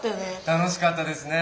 楽しかったですね。